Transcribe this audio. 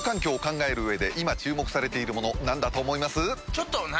ちょっと何？